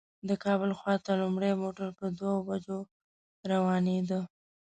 د کابل خواته لومړی موټر په دوو بجو روانېده.